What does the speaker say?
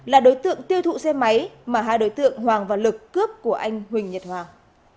là đối tượng tiêu thụ xe máy mà hai đối tượng hoàng và lực cướp của anh huỳnh nhật hoàng